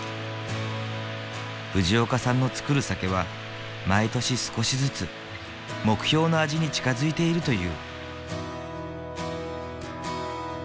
藤岡さんの造る酒は毎年少しずつ目標の味に近づいているという。